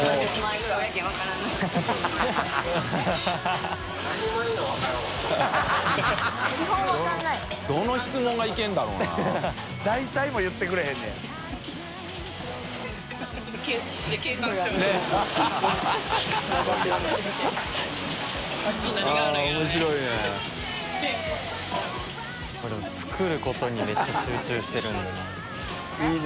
後藤）でも作ることにめっちゃ集中してるんだね。